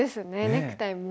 ネクタイも。